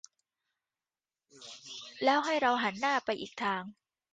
แล้วให้เราหันหน้าไปอีกทาง